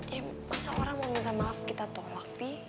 ya masa orang mau minta maaf kita tolak